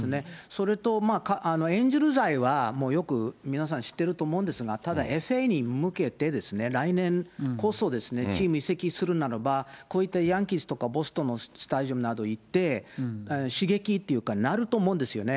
それと、エンゼルス愛は皆さんもうよく皆さん知ってると思うんですが、ただＦＡに向けて、来年こそチーム移籍するならば、こういったヤンキースとか、ボストンのスタジアムなどに行って、刺激というかなると思うんですよね。